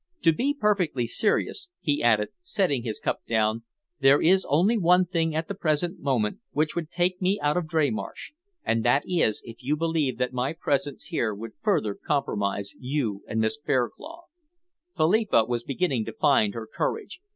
To be perfectly serious," he added, setting his cup down, "there is only one thing at the present moment which would take me out of Dreymarsh, and that is if you believe that my presence here would further compromise you and Miss Fairclough." Philippa was beginning to find her courage.